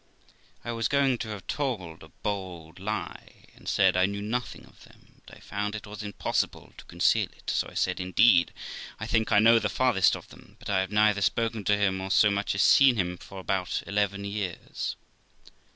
I was going to have told a bold lie, and said I knew nothing of them; but I found it was impossible to conceal it, so I said, 'Indeed, I think I know the farthest of them ; but I have neither spoken to him, or so much as seen him for about eleven years.'